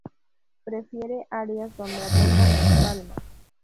Prefiere áreas donde abundan las palmas.